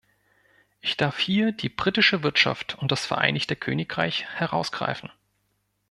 Ich darf hier die britische Wirtschaft und das Vereinigte Königreich herausgreifen.